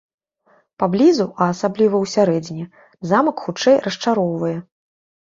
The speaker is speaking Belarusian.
Паблізу, а асабліва ўсярэдзіне, замак, хутчэй, расчароўвае.